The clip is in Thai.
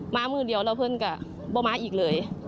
้ามือเดียวแล้วเพื่อนก็บ่ม้าอีกเลย